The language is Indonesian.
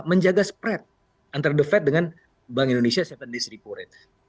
menjaga spread antara the fed dengan bank indonesia tujuh dis repo rate